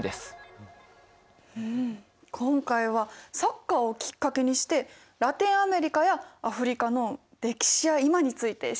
今回はサッカーをきっかけにしてラテンアメリカやアフリカの歴史や今について知ることができました。